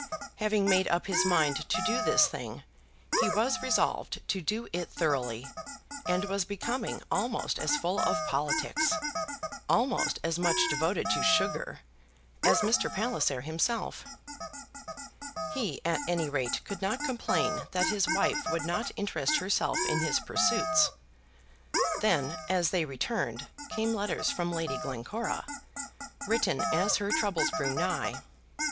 Having made up his mind to do this thing, he was resolved to do it thoroughly, and was becoming almost as full of politics, almost as much devoted to sugar, as Mr. Palliser himself. He at any rate could not complain that his wife would not interest herself in his pursuits. Then, as they returned, came letters from Lady Glencora, written as her troubles grew nigh.